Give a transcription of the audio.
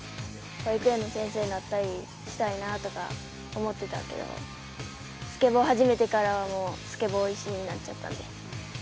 保育園の先生になったりしたいなとか思ってたけど、スケボーを始めてから、スケボー一心になっちゃったんで。